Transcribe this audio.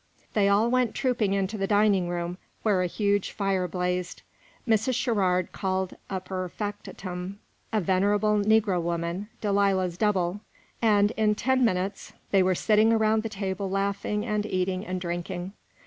They all went trooping into the dining room, where a huge fire blazed. Mrs. Sherrard called up her factotum, a venerable negro woman, Delilah's double, and in ten minutes they were sitting around the table laughing and eating and drinking.